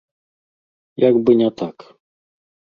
Як бы не так.